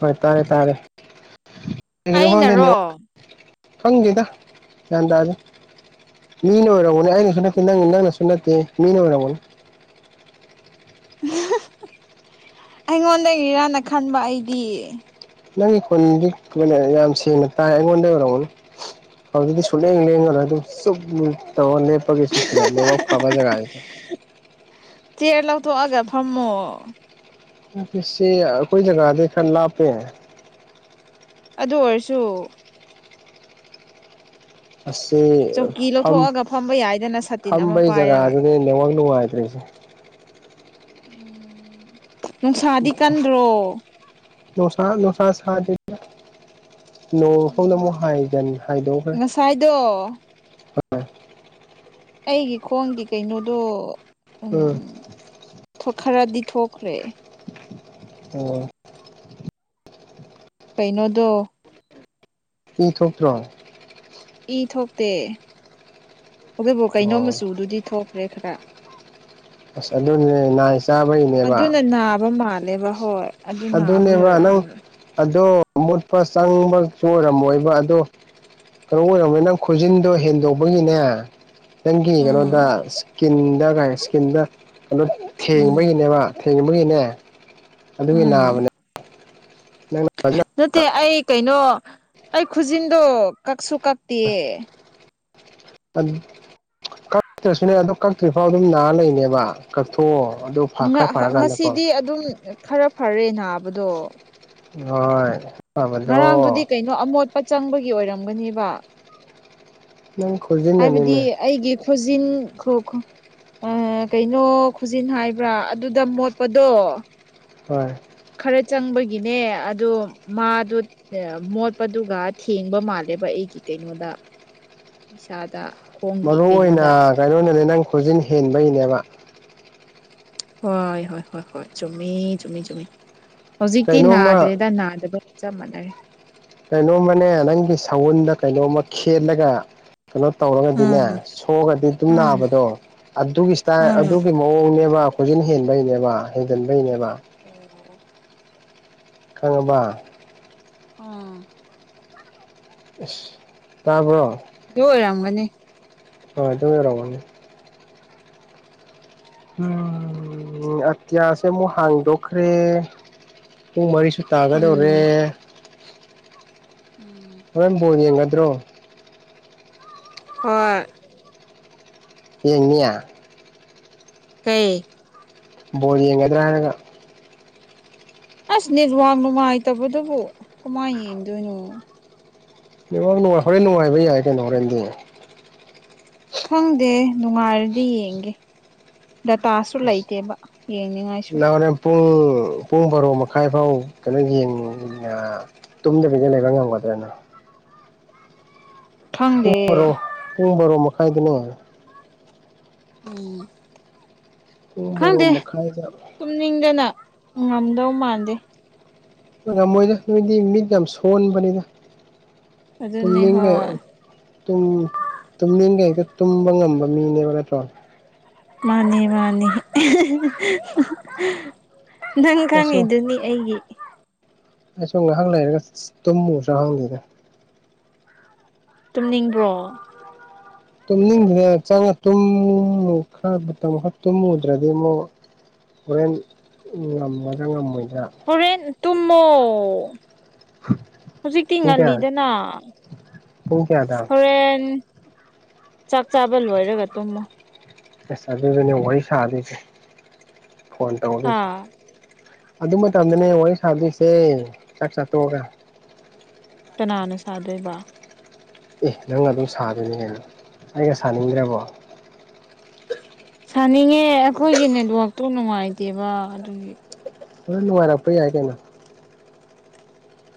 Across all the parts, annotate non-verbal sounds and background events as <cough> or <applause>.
ꯍꯣꯏ ꯇꯥꯔꯦ ꯇꯥꯔꯦ ꯑꯩꯅꯔꯣ <unintelligible> ꯈꯪꯗꯦꯗ ꯒ꯭ꯌꯥꯟ ꯇꯥꯗꯦ ꯃꯤꯅ ꯑꯣꯏꯔꯝꯒꯅꯤ ꯑꯩꯩꯅ ꯍꯟꯗꯛꯇꯤ ꯅꯪ ꯅꯪꯅꯁꯨ ꯅꯠꯇꯦ ꯃꯤꯅ ꯑꯣꯏꯔꯝꯒꯅꯤ ꯑꯩꯉꯣꯟꯗꯒꯤꯔꯅ ꯈꯟꯕ ꯑꯩꯗꯤ ꯅꯪꯒꯤ ꯈꯣꯟꯗꯤ <unintelligible> ꯌꯥꯝ ꯁꯦꯡꯅ ꯇꯥꯏ ꯑꯩꯉꯣꯟꯗꯩ ꯑꯣꯏꯔꯝꯒꯅꯤ ꯍꯧꯖꯤꯛꯇꯤ ꯁꯨꯛꯂꯦꯟ ꯂꯦꯡꯉꯔꯣꯏ ꯑꯗꯨꯝ ꯆꯨꯞ ꯂꯨꯞ ꯇꯧꯔ ꯂꯦꯞꯄꯒꯦꯁꯦ ꯁꯤꯗ ꯅꯦꯠꯋ꯭ꯔꯥꯛ ꯐꯕ ꯖꯥꯒꯥꯖꯤꯗ ꯆꯦꯔ ꯂꯧꯊꯣꯛꯑꯒ ꯐꯝꯃꯣ ꯑꯣꯐꯤꯁꯁꯤ ꯑꯩꯈꯣꯏ ꯖꯥꯒꯥꯗꯩ ꯈꯔ ꯂꯥꯞꯄꯦ ꯑꯗꯨ ꯑꯣꯏꯔꯁꯨ ꯑꯁꯤ ꯆꯧꯀꯤ ꯐꯝ ꯂꯧꯊꯣꯛꯑꯒ ꯐꯝꯕ ꯌꯥꯏꯗꯅ ꯁꯥꯇꯤꯟ ꯑꯃ ꯐꯝꯕꯩ ꯄꯥꯏꯔꯒ ꯎ ꯖꯒꯥꯗꯨꯅꯦ ꯅꯦꯠꯋꯥꯛ ꯅꯨꯡꯉꯥꯏꯇ꯭ꯔꯤꯁꯦ ꯅꯨꯡꯁꯥꯗꯤ ꯀꯟꯗ꯭ꯔꯣ ꯅꯣꯁꯥ ꯅꯣꯁꯥ ꯁꯥꯗꯦ ꯅꯣꯡ ꯐꯥꯎꯅ ꯑꯃꯨꯛ ꯍꯥꯏꯒꯟ ꯍꯥꯏꯗꯣꯛꯈ꯭ꯔꯦ ꯍꯥꯏꯗꯣ ꯑꯩꯒꯤ ꯈꯣꯡꯒꯤ ꯀꯩꯅꯣꯗꯣ ꯎꯝ ꯊꯣꯛꯈꯔꯗꯤ ꯊꯣꯛꯈ꯭ꯔꯦ ꯑꯣ ꯀꯩꯅꯣꯗꯣ ꯏ ꯊꯣꯛꯇ꯭ꯔꯣ ꯏ ꯊꯣꯛꯇꯦ ꯑꯗꯨꯕꯨ ꯀꯩꯅꯣꯝ ꯑꯣ ꯃꯆꯨꯗꯨꯗꯤ ꯊꯣꯛꯈ꯭ꯔꯦ ꯈꯔ ꯑꯁ ꯑꯗꯨꯅꯦ ꯃꯥꯏꯁꯦ ꯑꯗꯨꯅ ꯅꯥꯕ ꯃꯥꯜꯂꯦꯕ ꯍꯣꯏ ꯑꯗꯨ ꯅꯥꯕꯒꯤ ꯑꯗꯨꯅꯦꯕ ꯅꯪ ꯑꯣꯏꯔꯝꯅꯦꯕ ꯑꯗꯣ ꯃꯨꯠꯄ ꯆꯪꯕꯁꯨ ꯑꯣꯏꯔꯝꯃꯣꯏꯕ ꯑꯗꯣ ꯀꯩꯅꯣ ꯑꯣꯏꯔꯝꯒꯅꯤ ꯅꯪ ꯈꯨꯖꯤꯟꯗꯣ ꯍꯦꯟꯗꯣꯛꯄꯒꯤꯅꯦ ꯅꯪꯒꯤ ꯎꯝ ꯀꯩꯅꯣꯗ ꯏꯁꯀꯤꯟꯗ ꯀꯩ ꯏꯁꯀꯤꯟꯗ ꯀꯩꯅꯣ ꯎꯝ ꯊꯦꯡꯕꯒꯤꯅꯦꯕ ꯊꯦꯡꯕꯒꯤꯅꯦ ꯑꯗꯨꯒꯤ ꯎꯝ ꯅꯥꯕꯅꯦ ꯅꯪꯅ ꯅꯠꯇꯦ ꯑꯩ ꯀꯩꯅꯣ ꯑꯩ ꯈꯨꯖꯤꯟꯗꯣ ꯀꯛꯁꯨ ꯀꯛꯇꯤꯌꯦ <unintelligible> ꯀꯛꯇ꯭ꯔꯁꯨꯅꯦ ꯑꯗꯣ ꯀꯛꯇ꯭ꯔꯤꯐꯥꯎ ꯑꯗꯨꯝ ꯅꯥꯔ ꯂꯩꯕꯅꯦꯕ ꯀꯛꯊꯣꯛꯑꯣ ꯑꯗꯨ ꯅ ꯈꯔ ꯍ ꯐꯔꯀꯥꯟꯗꯀꯣ ꯉꯁꯤꯗꯤ ꯑꯗꯨꯝ ꯈꯔ ꯐꯔꯦ ꯅꯥꯕꯗꯣ ꯍꯣꯏ ꯉꯔꯥꯡꯗꯨꯗꯤ ꯐꯕꯗꯣ ꯀꯩꯅꯣ ꯑꯃꯣꯠꯄ ꯆꯪꯕꯒꯤ ꯑꯣꯏꯔꯝꯒꯅꯦꯕ ꯅꯪ ꯈꯨꯖꯤꯟ ꯍꯥꯏꯕꯗꯤ ꯑꯩꯒꯤ ꯈꯨꯖꯤꯟ ꯈꯨꯔ ꯈꯨ ꯑꯥ ꯀꯩꯅꯣ ꯈꯨꯖꯤꯟ ꯍꯥꯏꯕ꯭ꯔꯥ ꯑꯗꯨꯗ ꯃꯣꯠꯄꯗꯣ ꯍꯣꯏ ꯈꯔ ꯆꯪꯕꯒꯤꯅꯦ ꯑꯗꯣ ꯃꯥꯗꯣ ꯃꯣꯠꯄꯗꯨꯒ ꯊꯦꯡꯕ ꯃꯥꯜꯂꯦꯕ ꯑꯩꯒꯤ ꯀꯩꯅꯣꯗ ꯏꯁꯥꯗ ꯈꯣꯡꯒꯤ ꯃꯔꯨ ꯑꯣꯏꯅ ꯀꯩꯅꯣꯗ ꯀꯩꯅꯣꯅꯅꯦ ꯅꯪ ꯈꯨꯖꯤꯟ ꯍꯦꯟꯕꯩꯅꯦꯕ ꯍꯣꯏ ꯍꯣꯏ ꯍꯣꯏ ꯍꯣꯏ ꯆꯨꯝꯃꯤ ꯆꯨꯝꯃꯤ ꯆꯨꯝꯃꯤ ꯍꯧꯖꯤꯛꯇꯤ ꯀꯩꯅꯣꯝꯃ ꯅꯥꯗ꯭ꯔꯦꯗ ꯅꯥꯗꯕꯒꯤ ꯆꯞ ꯃꯥꯟꯅꯔꯦ ꯀꯩꯅꯣꯝꯃꯅꯦ ꯅꯪꯒꯤ ꯁꯧꯎꯟꯗ ꯀꯩꯅꯣꯝꯃ ꯈꯦꯠꯂꯒ ꯀꯩꯅꯣ ꯇꯧꯔꯒꯗꯤꯅꯦ ꯎꯝ ꯁꯣꯛꯑꯗꯤ ꯑꯗꯨꯝ ꯎꯝ ꯅꯥꯕꯗꯣ ꯑꯗꯨꯒꯤ ꯁꯇꯥꯏꯜ ꯎꯝ ꯑꯗꯨꯒꯤ ꯃꯑꯣꯡꯅꯦꯕ ꯈꯨꯖꯤꯟ ꯍꯦꯟꯕꯩꯅꯦꯕ ꯍꯦꯟꯖꯤꯟꯕꯩꯅꯦꯕ ꯑꯣ ꯈꯪꯉꯕ ꯎꯝ ꯑꯁ ꯇꯥꯕ꯭ꯔꯣ ꯗꯨ ꯑꯣꯏꯔꯝꯒꯅꯤ ꯑ ꯑꯗꯨꯔꯥꯎꯃꯅꯤ ꯎꯝ ꯑꯇꯤꯌꯥꯁꯦ ꯑꯃꯨꯛ ꯍꯥꯡꯗꯣꯛꯈ꯭ꯔꯦ ꯄꯨꯡ ꯃꯔꯤ ꯁ ꯇꯥꯒꯗꯧꯔꯦ ꯎꯝ ꯎꯝ ꯍꯕꯦꯝ ꯕꯣꯔ ꯌꯦꯡꯒꯗ꯭ꯔꯣ ꯍꯣꯏ ꯌꯦꯡꯅꯤꯌꯥ ꯀꯩ ꯕꯣꯜ ꯌꯦꯡꯒꯗ꯭ꯔꯒ ꯍꯥꯏꯔꯒ ꯑꯁ ꯅꯦꯠꯋꯥꯛ ꯅꯨꯡꯉꯥꯏꯇꯕꯗꯨꯕꯨ ꯀꯃꯥꯏꯅ ꯌꯦꯡꯗꯣꯏꯅꯣ ꯅꯦꯠꯋꯥꯛ ꯅꯨꯡꯉꯥꯏ ꯍꯣꯔꯦꯟ ꯅꯨꯡꯉꯥꯏꯕ ꯌꯥꯏ ꯀꯩꯅꯣ ꯍꯣꯔꯦꯟꯗꯤ ꯈꯪꯗꯦ ꯅꯨꯡꯉꯥꯏꯔꯗꯤ ꯌꯦꯡꯒꯦ ꯗꯥꯇꯥꯁꯨ ꯂꯩꯇꯦꯕ ꯌꯦꯡꯅꯤꯡꯉꯥꯏꯁꯨ ꯅꯪ ꯍꯣꯔꯦꯟꯅꯦ ꯄꯨꯡ ꯄꯨꯡ ꯕꯥꯔꯣ ꯃꯈꯥꯏ ꯐꯥꯎ ꯀꯩꯅꯣ ꯌꯦꯡꯉꯦ <unintelligible> ꯇꯨꯝꯗꯕꯤꯗ ꯂꯩꯕ ꯉꯝꯒꯗ꯭ꯔꯅꯦ ꯄꯨꯡ ꯈꯪꯗꯦ ꯕꯔꯣ ꯄꯨꯡ ꯕꯣꯔꯣ ꯃꯈꯥꯏꯗꯅꯦ ꯎꯝ ꯄꯨꯡ ꯕꯔꯣ ꯈꯪꯗꯦ ꯃꯈꯥꯏꯗ ꯇꯨꯝꯅꯤꯡꯗꯅ ꯉꯝꯗꯧ ꯃꯥꯟꯗꯦ ꯉꯃꯣꯏꯗ ꯅꯣꯏꯗꯤ ꯃꯤꯠ ꯌꯥꯝ ꯁꯣꯟꯕꯅꯤꯗ ꯑꯗꯨꯅꯦ ꯇꯨꯝꯅꯤꯡꯉ ꯍꯣꯏ ꯇꯨꯝꯅꯤꯡꯈꯩꯛꯇ ꯇꯨꯝꯕ ꯉꯝꯕ ꯃꯤꯅꯦꯕ ꯅꯠꯇ꯭ꯔꯣ ꯃꯥꯅꯤ ꯃꯥꯅꯤ ꯅꯪ ꯑꯩꯁꯨ ꯈꯪꯉꯤꯗꯨꯅꯤ ꯑꯩꯒꯤ ꯑꯩꯁꯨ ꯉꯥꯏꯍꯥꯛ ꯂꯩꯔꯒ ꯇꯨꯝꯃꯨꯁꯨꯪꯍꯪꯗꯦꯗ ꯇꯨꯝꯅꯤꯡꯕ꯭ꯔꯣ ꯇꯨꯝꯅꯤꯡꯕꯗ ꯆꯪꯉ ꯇꯨꯝꯃꯨ ꯈ꯭ꯔꯕ ꯑꯃꯨ ꯇꯨꯝꯃꯨꯗ꯭ꯔꯗꯤ ꯑꯃꯨꯛ ꯍꯣꯔꯦꯟ ꯉꯝꯃꯗ ꯉꯝꯃꯣꯏꯗ꯭ꯔ ꯍꯣꯔꯦꯟ ꯇꯨꯝꯃꯣ ꯍꯧꯖꯤꯛꯇꯤ ꯄꯨꯡ ꯀꯌꯥ ꯉꯜꯂꯤꯗꯅ ꯄꯨꯡ ꯀꯌꯥꯗ ꯍꯣꯔꯦꯟ ꯆꯥꯛ ꯆꯥꯕ ꯂꯣꯏꯔꯒ ꯇꯨꯝꯃꯣ ꯑ ꯑꯗꯨꯗꯨꯅꯦ ꯋꯥꯔꯤ ꯁꯥꯗꯣꯏꯁꯦ ꯐꯣꯟ ꯍꯥ ꯇꯧꯗꯣꯏꯁꯦ ꯑꯗꯨ ꯃꯇꯝꯗꯅꯦ ꯋꯥꯔꯤ ꯁꯥꯗꯣꯏꯁꯦ ꯆꯥꯛ ꯆꯥꯠꯇꯣꯛꯑꯒ ꯀꯅꯥꯅ ꯁꯥꯗꯣꯏꯕ ꯑꯦ ꯅꯪ ꯑꯗꯨꯝ ꯁꯥꯗꯣꯏꯅꯤꯅꯦꯗ ꯑꯩꯒ ꯁꯥꯅꯤꯡꯗ꯭ꯔꯕꯣ ꯁꯥꯅꯤꯡꯉꯦ ꯑꯩꯈꯣꯏꯒꯤ ꯅꯦꯠꯋꯥꯛꯇꯣ ꯅꯨꯡꯉꯥꯏꯇꯦꯕ ꯑꯗꯨꯒꯤ ꯍꯣꯏ ꯅꯨꯡꯉꯥꯏꯔꯛꯄ ꯌꯥꯏ ꯀꯩꯅꯣ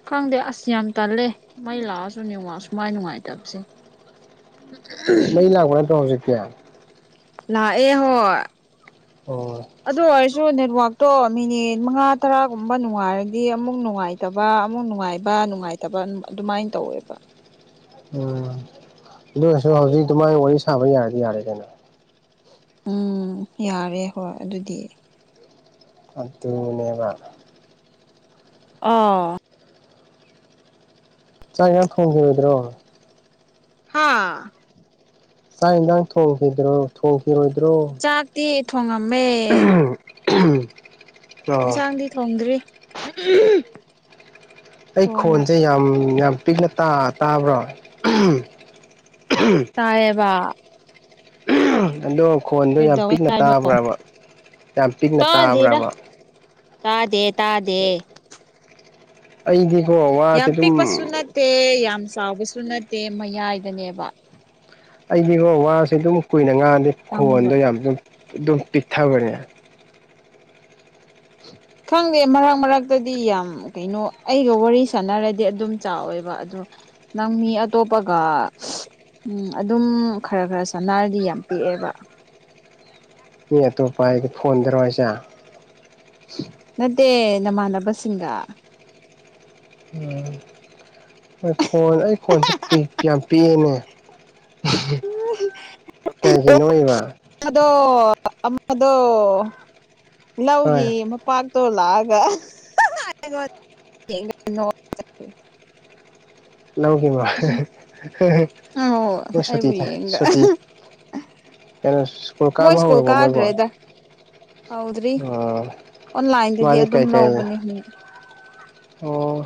ꯈꯪꯗꯦ ꯑꯁ ꯌꯥꯝ ꯇꯜꯂꯦ ꯃꯩ ꯂꯥꯛꯑꯁꯨ ꯅꯃꯛꯥꯛ ꯁꯨꯃꯥꯏ ꯅꯨꯡꯉꯥꯏꯇꯕꯁꯦ ꯃꯩ ꯂꯥꯛꯄꯅꯦ ꯅꯠꯇꯣ ꯍꯧꯖꯤꯛ ꯀꯦ ꯂꯥꯛ ꯑꯦ ꯍꯣꯏ ꯑꯣ ꯑꯗꯨ ꯑꯣꯏꯔꯁꯨ ꯅꯦꯠꯋꯥꯛꯇꯣ ꯃꯤꯅꯤꯠ ꯃꯉꯥ ꯇꯔꯥꯒꯨꯝꯕ ꯅꯨꯡꯉꯥꯏꯔꯗꯤ ꯑꯃꯨꯛ ꯅꯨꯡꯉꯥꯏ ꯇꯕ ꯑꯃꯨꯛ ꯅꯨꯡꯉꯥꯏꯕ ꯅꯨꯡꯉꯥꯏꯇꯕ ꯑꯗꯨꯃꯥꯏꯅ ꯇꯧꯋꯦꯕ ꯎꯝ ꯑꯗꯨꯔꯁꯨ ꯍꯧꯖꯤꯛ ꯑꯗꯨꯃꯥꯏꯅ ꯋꯥꯔꯤ ꯁꯥꯕ ꯌꯥꯔꯗꯤ ꯌꯥꯔꯦ ꯀꯩꯅꯣ ꯎꯝ ꯌꯥꯔꯦ ꯍꯣꯏ ꯑꯗꯨꯗꯤ ꯑꯗꯨꯅꯦꯕ ꯑꯥ ꯆꯥꯛ ꯌꯥꯝ ꯊꯣꯡꯈꯤꯕꯣꯏꯗ꯭ꯔꯣ ꯍꯥꯥ ꯆꯥꯛ ꯌꯦꯟꯖꯥꯡ ꯊꯣꯡꯈꯤꯗ꯭ꯔꯣ ꯊꯣꯡꯈꯤꯔꯣꯏꯗ꯭ꯔꯣ ꯎꯇꯤ ꯊꯣꯡꯉꯝꯃꯦ ꯑꯣ ꯏꯟꯁꯥꯡꯗꯤ ꯊꯣꯡꯗ꯭ꯔꯤ ꯑꯩ ꯀꯣꯟꯅ ꯈꯣꯟꯁꯦ ꯌꯥꯝ ꯌꯥꯝ ꯄꯤꯛꯅ ꯇꯥ ꯇꯥꯕ꯭ꯔꯣ ꯇꯥꯏꯕ ꯑꯗꯣ ꯈꯣꯟꯗꯣ ꯌꯥꯝ ꯀꯩꯗꯧꯋꯦ ꯄꯤꯛꯅ ꯇꯥꯕ꯭ꯔꯕ ꯌꯥꯝ ꯄꯤꯛꯅ ꯇꯥꯗꯦꯗ ꯇꯥꯕ꯭ꯔꯕ ꯇꯥꯗꯦ ꯇꯥꯗꯦ ꯑꯩꯗꯤꯀꯣ ꯋꯥꯁꯦ ꯌꯥꯝ ꯑꯗꯨꯝ ꯄꯤꯛꯄꯁꯨ ꯅꯠꯇꯦ ꯌꯥꯝ ꯆꯥꯎꯕꯁꯨ ꯅꯠꯇꯦ ꯃꯌꯥꯏꯗꯅꯦꯕ ꯑꯩꯗꯤꯒꯣ ꯋꯥꯁꯦ ꯑꯗꯨꯝ ꯀꯨꯏꯅ ꯉꯥꯡꯗꯤ ꯈꯪꯕ꯭ꯔꯥ ꯈꯣꯟꯗꯣ ꯌꯥꯝ ꯑꯗꯨꯝ ꯄꯤꯛꯊꯕꯅꯦ ꯈꯪꯗꯦ ꯃꯔꯛ ꯃꯔꯛꯇꯗꯤ ꯌꯥꯝ ꯀꯩꯅꯣ ꯑꯩꯒ ꯋꯥꯔꯤ ꯁꯥꯟꯅꯔꯗꯤ ꯑꯗꯨꯝ ꯆꯥꯎꯋꯦꯕ ꯑꯗꯣ ꯅꯪ ꯃꯤ ꯑꯇꯣꯞꯄꯒ ꯎꯝ ꯑꯗꯨꯝ ꯈꯔ ꯈꯔ ꯁꯅꯥꯔꯗꯤ ꯌꯥꯝ ꯄꯤꯛꯑꯦꯕ ꯃꯤ ꯑꯇꯣꯞꯄ ꯑꯩꯗꯤ ꯐꯣꯟꯗꯔꯣ ꯍꯥꯏꯁꯦ ꯅꯠꯇꯦ ꯅꯃꯥꯟꯅꯕꯁꯤꯡꯒ ꯎꯝ ꯈꯣꯟ ꯑꯩ ꯈꯣꯟꯁꯦ ꯌꯥꯝ ꯄꯤꯛꯑꯦꯅꯦ ꯀꯩꯒꯤ ꯅꯣꯛꯏꯕ ꯑꯗꯣ ꯑꯃꯗꯣ ꯍꯣꯏ ꯂꯧꯒꯤ ꯄꯥꯛꯇꯣ ꯂꯥꯛꯑꯒ ꯑꯩꯉꯣꯟꯗ ꯂꯧꯒꯤꯕ ꯑꯧ ꯃꯣꯢ ꯁꯨꯇꯤ ꯑꯩꯕꯨ ꯌꯦꯡꯒ ꯁꯨꯇꯤ ꯊꯥꯢ ꯀꯩꯅꯣ ꯁꯀꯨꯜ ꯃꯣꯏ ꯀꯥꯕ ꯁ꯭ꯀꯨꯜ ꯍꯧꯔꯕꯣ ꯃꯣꯏꯕꯣ ꯀꯥꯗ꯭ꯔꯦꯗ ꯍꯧꯗ꯭ꯔꯤ ꯑꯣ ꯑꯣꯟꯂꯥꯏꯟꯗꯒꯤ ꯃꯥꯗꯤ ꯑꯗꯨꯝ ꯀꯩ ꯀꯩ ꯂꯧꯕꯅꯦ ꯑꯣ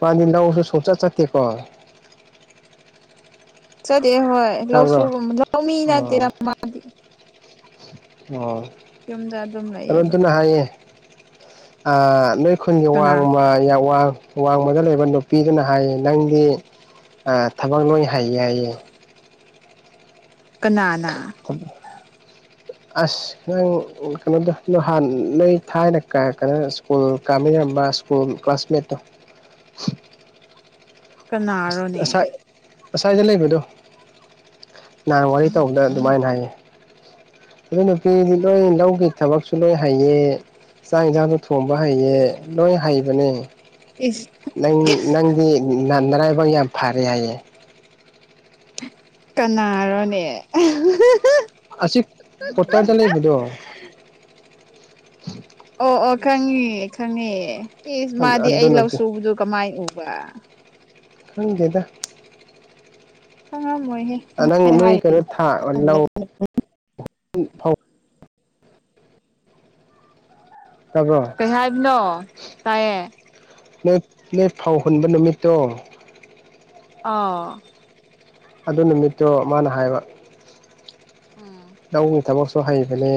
ꯃꯥꯗꯤ ꯂꯧꯁꯨ ꯁꯨꯡꯆꯠ ꯆꯠꯇꯦꯀꯣ ꯆꯠꯇꯦ ꯍꯣꯏ ꯂꯧꯁꯨ ꯇꯥꯕ꯭ꯔꯣ ꯂꯧꯃꯤ ꯑꯣ ꯅꯠꯇꯦꯗ ꯃꯥꯗꯤ ꯑꯣ ꯌꯨꯝꯗ ꯑꯗꯨꯝ ꯂꯩꯌꯦꯕ ꯑꯔꯨꯟꯇꯅ ꯍꯥꯏꯌꯦ ꯑ ꯅꯣꯏ ꯈꯨꯜꯒꯤ ꯀꯅꯥ ꯋꯥꯡꯃ ꯌꯥꯝ ꯋꯥ ꯋꯥꯡꯃꯗ ꯂꯩꯕ ꯅꯨꯄꯤꯗꯨꯅ ꯍꯥꯏꯌꯦ ꯅꯪꯗꯤ ꯊꯕꯛ ꯂꯣꯏ ꯍꯩꯌꯦ ꯍꯥꯏꯌꯦ ꯀꯅꯥꯅ ꯑꯁ ꯅꯪ ꯀꯩꯅꯣꯗ ꯅꯣꯢ ꯍꯥꯟ ꯅꯣꯏ ꯊꯥꯏꯅ ꯀꯩꯅꯣ ꯁꯀꯨꯜ ꯀꯥꯃꯤꯟꯅꯔꯝꯕ ꯁꯀꯨꯜ ꯀ꯭ꯂꯥꯁꯃꯦꯠꯇꯣ ꯀꯅꯥꯔꯣꯅꯦ ꯑꯁ ꯁꯨꯋꯥꯏꯗ ꯂꯩꯕꯗꯣ ꯅꯍꯥꯟ ꯋꯥꯔꯤ ꯇꯧꯕꯗ ꯑꯗꯨꯃꯥꯏꯅ ꯍꯥꯏꯌꯦ ꯑꯗꯨ ꯅꯨꯄꯤꯗꯣ ꯂꯧꯒꯤ ꯊꯕꯛꯁꯨ ꯂꯣꯏ ꯍꯩꯌꯦ ꯆꯥꯛ ꯌꯦꯟꯁꯥꯡꯗꯣ ꯊꯣꯡꯕ ꯍꯩꯌꯦ ꯂꯣꯏ ꯍꯩꯕꯅꯦ ꯏꯁ ꯅꯪ ꯅꯪꯗꯤ ꯅꯔꯥꯏꯕꯛ ꯌꯥꯝ ꯐꯔꯦ ꯍꯥꯏꯌꯦ ꯀꯅꯥꯔꯣꯅꯦ ꯑꯁꯤ ꯀꯋꯥꯇꯔꯗ ꯂꯩꯕꯗꯣ ꯑꯣ ꯑꯣ ꯈꯪꯉꯦ ꯈꯪꯉꯦ ꯏꯁ ꯃꯥꯗꯤ ꯑꯗꯨ ꯑꯩ ꯅꯨꯄꯤ ꯂꯧꯁꯨꯕꯗꯨ ꯀꯃꯥꯏꯅ ꯎꯕ ꯈꯪꯗꯦꯗ ꯈꯡꯉꯝꯃꯣꯏꯍꯦ ꯅꯪ ꯅꯣꯏ ꯀꯩꯅꯣ ꯊꯥ ꯂꯧ ꯇꯕ꯭ꯔꯣ ꯀꯩ ꯍꯥꯏꯕꯅꯣ ꯇꯥꯏꯌꯦ ꯅꯣꯏ ꯅꯣꯏ ꯐꯧ ꯍꯨꯟꯕ ꯅꯨꯃꯤꯠꯇꯣ ꯑꯥ ꯑꯗꯨ ꯅꯨꯃꯤꯠꯇꯣ ꯃꯥꯅ ꯍꯥꯏꯕ ꯎꯝ ꯂꯧꯒꯤ ꯊꯕꯛꯁꯨ ꯍꯩꯕꯅꯦ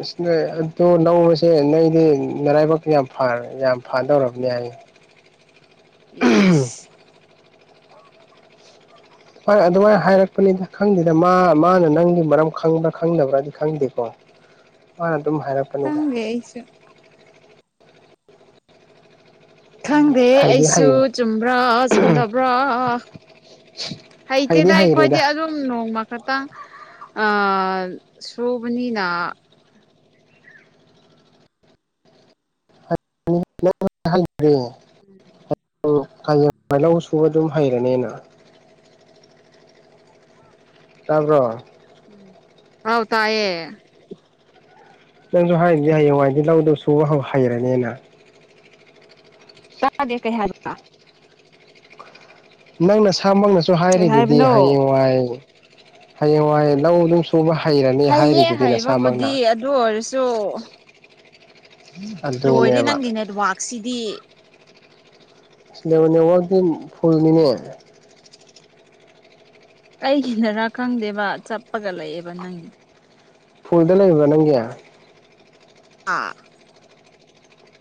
ꯑꯗꯨꯝ ꯅꯣꯢ ꯑꯗꯨ ꯂꯧꯕꯁꯦ ꯅꯣꯏꯗꯤ ꯅꯔꯥꯏꯕꯛ ꯌꯥꯝ ꯐꯔꯕꯅꯦ ꯐꯗꯧꯔꯕꯅꯤ ꯍꯥꯏꯌꯦ ꯏꯁ ꯍꯣꯏ ꯑꯗꯨꯃꯥꯏꯅ ꯎꯝ ꯍꯥꯏꯔꯛꯄꯅꯤꯗ ꯈꯪꯗꯦꯗ ꯃꯥ ꯃꯥꯅ ꯅꯪꯒꯤ ꯃꯔꯝ ꯈꯪꯕ꯭ꯔꯥ ꯈꯪꯗꯕ꯭ꯔꯗꯤ ꯈꯪꯗꯦꯀꯣ꯫ ꯅ ꯑꯗꯨꯝ ꯍꯥꯏꯔꯛ ꯈꯪꯗꯦ ꯑꯩꯁꯨ ꯈꯪꯗꯦ ꯍꯩꯗꯤ ꯑꯩꯁꯨ ꯍꯩ ꯆꯨꯝꯕ꯭ꯔꯥ - ꯆꯨꯝꯗꯕ꯭ꯔꯥ꯫ ꯍꯩꯗꯤ ꯍꯩꯇꯦꯇꯥ ꯑꯩꯈꯣꯏꯗꯤ ꯍꯩꯔꯦꯗ ꯑꯗꯨ ꯁꯨꯝ ꯅꯣꯡꯃ ꯈꯇꯪ ꯁꯨꯕꯅꯤꯅ <unintelligible> <unintelligible> <unintelligible> ꯂꯧꯁꯨꯕ ꯑꯗꯨꯝ ꯍꯩꯔꯅꯤꯅ ꯇꯥꯕ꯭ꯔꯣ? ꯑꯧ ꯇꯥꯏꯌꯦ ꯅꯪꯁꯨ ꯍꯥꯏꯔꯤꯗꯨꯗꯤ ꯍꯌꯦꯡꯋꯥꯏꯗꯤ ꯂꯧ ꯁꯨꯕ ꯍꯧ ꯍꯩꯔꯅꯤꯅ ꯇꯥꯗꯦ ꯀꯩ ꯍꯥꯏꯕ ꯅꯪ ꯅꯁꯥꯃꯛꯅꯁꯨ ꯀꯩ ꯍꯥꯏꯔꯤꯗꯨꯗꯤ ꯍꯥꯏꯕꯅꯣ ꯍꯌꯦꯡꯋꯥꯏ ꯍꯌꯦꯡꯋꯥꯏ ꯂꯧ ꯑꯗꯨꯝ ꯂꯧ ꯁꯨꯕ ꯍꯩꯔꯅꯤ ꯍꯩꯌꯦ ꯍꯥꯏꯔꯤꯗꯨꯗꯤ ꯅꯁꯥꯃꯛꯅ ꯍꯩꯕꯕꯨꯗꯤ ꯑꯗꯨ ꯑꯣꯏꯔꯁꯨ ꯂꯣꯏꯔꯦ ꯑꯗꯨꯅꯦꯕ ꯅꯪꯒꯤ ꯅꯦꯠꯋꯥꯛꯁꯤꯗꯤ ꯅꯦꯋ ꯅꯦꯋꯛꯇꯤ ꯐꯨꯜꯒꯤꯅꯦ ꯎꯝ ꯑꯩꯒꯤꯅꯔꯥ ꯈꯪꯗꯦꯕ ꯆꯠꯄꯒ ꯂꯩꯌꯦꯕ ꯅꯪꯒꯤꯗꯣ ꯐꯣꯟꯗ ꯂꯩꯕ꯭ꯔꯥ ꯅꯪꯒꯤ ꯑꯥ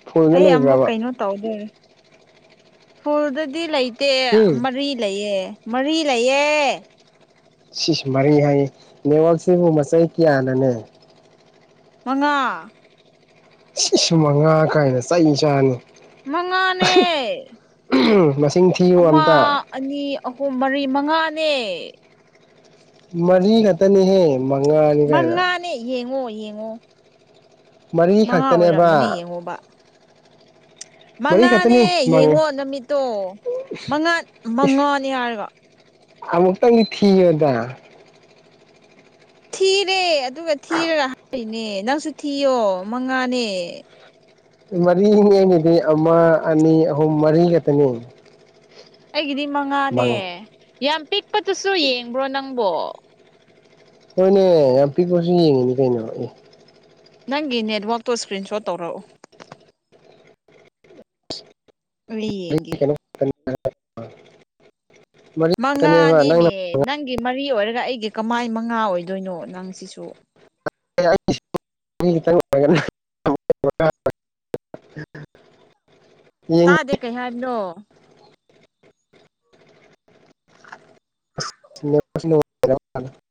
ꯐꯨꯜꯗ ꯑꯩ ꯑꯃꯨꯛ ꯂꯩꯕ꯭ꯔꯕ ꯀꯩꯅꯣ ꯇꯧꯗ꯭ꯔꯦ ꯐꯣꯜꯗꯗꯤ ꯂꯩ ꯇꯦ ꯎꯝ ꯃꯔꯤ ꯂꯩꯌꯦ ꯃꯔꯤ ꯂꯩꯌꯦ ꯁꯤꯁ ꯃꯔꯩ ꯍꯥꯏꯌꯦ ꯅꯦꯠꯋꯛꯁꯤꯕꯨ ꯃꯆꯩ ꯀꯌꯥꯅꯣꯅꯦ? ꯃꯉꯥ ꯁꯤꯁ ꯃꯉꯥ ꯀꯥꯏꯅ ꯆꯩ ꯆꯥꯅꯤ ꯃꯉꯥꯅꯦ ꯃꯁꯤꯡ ꯊꯤꯌꯨ ꯑꯃ ꯑꯝꯇ ꯑꯅꯤ ꯑꯍꯨꯝ ꯃꯔꯤ ꯃꯉꯥꯅꯦ ꯃꯔꯤ ꯈꯛꯇꯅꯤꯍꯦ ꯃꯉꯥ ꯃꯉꯥꯅꯦ ꯌꯦꯡꯉꯣ - ꯌꯦꯡꯉꯣ ꯃꯉꯥ ꯑꯣꯏꯔꯝꯕꯅꯦ ꯃꯔꯤꯈꯛꯇꯅꯦꯕ ꯌꯦꯡꯉꯣꯕ ꯃꯔꯤ ꯃꯉꯥꯅꯦ ꯈꯛꯇꯅꯤ ꯃꯉꯥ ꯌꯦꯡꯉꯣ ꯅꯨꯃꯤꯠꯇꯣ ꯃꯉꯥ ꯃꯉꯥꯅꯦ ꯍꯥꯏꯔꯒ ꯑꯃꯨꯛꯇꯪꯗꯤ ꯊꯤꯌꯨꯗ ꯊꯤꯔꯦ ꯑꯗꯨꯒ ꯊꯤꯔꯒ ꯍꯥꯏꯔꯤꯅꯦ ꯅꯪꯁꯨ ꯊꯤꯌꯣ ꯃꯉꯥꯅꯦ꯫ ꯃꯔꯤꯅꯤ ꯑꯩꯒꯤꯗꯤ ꯑꯃ ꯑꯅꯤ ꯑꯍꯨꯝ ꯃꯔꯤ ꯈꯛꯇꯅꯤ꯫ ꯑꯩꯒꯤꯗꯤ ꯃꯉꯥꯅꯦ ꯐꯪꯉꯦ ꯌꯥꯝ ꯄꯤꯛꯄꯗꯨꯁꯨ ꯌꯦꯡꯕꯔꯣ ꯅꯪꯕꯣ? ꯍꯣꯏꯅꯦ ꯌꯥꯝ ꯄꯤꯛꯄꯁꯨ ꯌꯦꯡꯉꯤꯅꯦ ꯀꯩꯅꯣ ꯑꯦ! ꯅꯪꯒꯤ ꯅꯦꯠꯋꯥꯛꯇꯣ ꯏꯁꯀ꯭ꯔꯤꯟ ꯁꯣꯠ ꯇꯧꯔꯛꯎ꯫ ꯑꯩ ꯌꯦꯡꯒꯦ ꯀꯩꯅꯣ ꯃꯔꯤ ꯈꯛꯇꯅꯦꯕ ꯅꯪꯅ ꯃꯉꯥꯅꯦꯃꯦ ꯅꯪꯒꯤ ꯃꯔꯤ ꯑꯣꯏꯔꯒ ꯑꯩꯒꯤ ꯀꯃꯥꯏ ꯃꯉꯥ ꯑꯣꯏꯗꯣꯏꯅꯣ ꯅꯪꯁꯤꯁꯨ꯫ <unintelligible> <unintelligible> ꯗꯦ ꯀꯩ ꯍꯥꯏꯕꯅꯣ? <unintelligible> <unintelligible>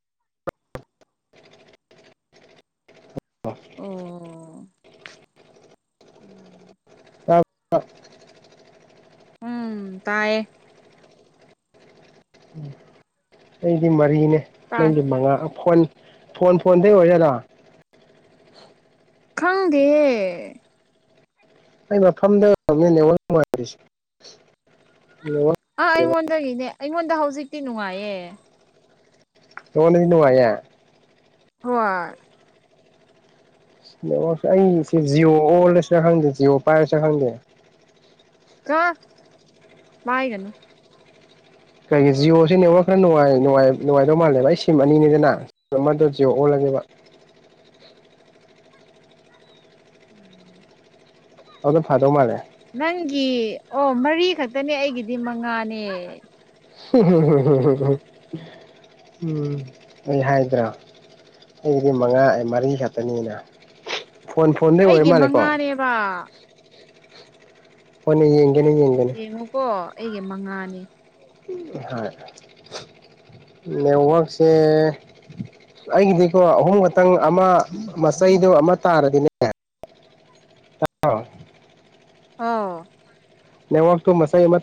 <unintelligible> ꯑꯣ ꯎꯝ <unintelligible> ꯎꯝ ꯇꯥꯏꯌꯦ ꯑꯩꯗꯤ ꯃꯔꯤꯅꯦ ꯇꯥꯏ ꯅꯪꯗꯤ ꯃꯉꯥ ꯐꯣꯟ ꯐꯣꯟ ꯐꯣꯟꯗꯩ ꯑꯣꯏꯖꯥꯠꯂꯥ ꯫ ꯈꯪꯗꯤꯌꯦ ꯑꯩ ꯃꯐꯝꯗꯉꯜ ꯅꯨꯡꯉꯔꯤꯁ ꯑ ꯑꯩꯉꯣꯟꯗꯒꯤꯅꯦ ꯑꯩꯉꯣꯟꯗ ꯍꯧꯖꯤꯛꯇꯤ ꯅꯨꯡꯉꯥꯏꯌꯦ ꯅꯉꫭꯟꯗꯗꯤ ꯅꯨꯡꯉꯥꯏꯌꯦ ꯍꯣꯏ ꯅꯦꯛꯋꯥꯛꯁꯦ ꯑꯩꯁꯦ ꯖꯤꯑꯣ ꯑꯣꯜꯂꯁꯤꯔ ꯈꯪꯗꯦ ꯖꯤꯑꯣ ꯄꯥꯏꯔꯁꯤꯔ ꯈꯪꯗꯦ ꯆꫭ ꯃꯥꯏꯒꯅꯨ ꯀꯔꯤꯒꯤ ꯖꯤꯌꯣꯁꯦ ꯅꯦꯠꯋꯥꯛ ꯈꯔ ꯅꯨꯡꯉꯥꯏ ꯅꯨꯡꯉꯥꯏ ꯅꯨꯡꯥꯏꯗꯧ ꯃꯥꯜꯂꯦ ꯕ ꯑꯩ ꯁꯤꯝ ꯑꯅꯤꯅꯦꯗꯅ ꯑꯃꯗꯣ ꯖꯤꯌꯣ ꯑꯣꯜꯂꯒꯦꯕ ꯎꯝ ꯑꯗꯨ ꯐꯗꯧ ꯃꯥꯜꯂꯦ ꯅꯪꯒꯤ ꯑꯣ ꯃꯔꯤ ꯈꯛꯇꯅꯦ ꯑꯩꯒꯤꯗꯤ ꯃꯉꯥꯅꯦ꯫ <unintelligible> ꯎꯝ ꯑꯩ ꯍꯥꯏꯗ꯭ꯔꯥ ꯑꯩꯒꯤꯗꯤ ꯃꯉꯥ ꯑ ꯃꯔꯤ ꯈꯛꯇꯅꯤꯅ꯫ ꯐꯣꯟ ꯐꯣꯟ ꯑꯩꯒꯤ ꯃꯉꯥꯅꯦꯕ ꯍꯣꯏꯅꯦ ꯌꯦꯡꯒꯦꯅꯦ ꯌꯦꯡꯉꯦ ꯌꯦꯡꯉꯣꯀꯣ ꯑꯩꯒꯤ ꯃꯉꯥꯅꯤ꯫ ꯍꯣꯏ ꯅꯦꯠꯋꯥꯛꯁꯦ ꯑꯩꯒꯤꯗꯤꯀꯣ ꯑꯍꯨꯝ ꯈꯛꯇꯪ ꯑꯃ ꯃꯆꯩꯗꯣ ꯑꯃ ꯇꯥꯔꯗꯤꯅꯦ ꯑꯣ ꯅꯦꯠꯋꯥꯛꯇꯨ ꯃꯆꯩ ꯑꯃ